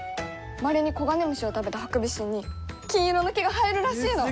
まれにコガネムシを食べたハクビシンに金色の毛が生えるらしいの！